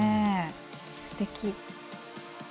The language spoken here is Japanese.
すてき。